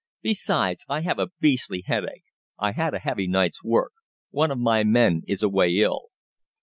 "Besides, I have a beastly headache. I had a heavy night's work. One of my men is away ill."